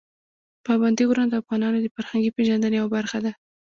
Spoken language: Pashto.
پابندي غرونه د افغانانو د فرهنګي پیژندنې یوه برخه ده.